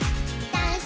ダンス！